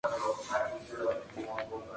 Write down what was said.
Dos años más tarde, Dix se traslada a Dusseldorf.